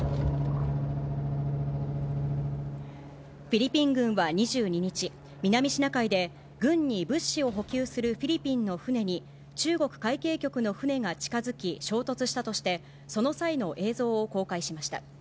フィリピン軍は２２日、南シナ海で軍に物資を補給するフィリピンの船に中国海警局の船が近づき、衝突したとして、その際の映像を公開しました。